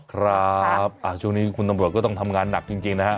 ครับช่วงนี้คุณตำรวจก็ต้องทำงานหนักจริงนะฮะ